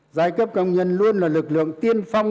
giai cấp công nhân luôn là lực lượng tiên phong